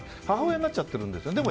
母親になっちゃってるんですよ。